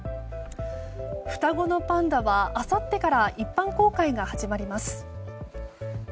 双子のパンダはあさってから一般公開が始まります。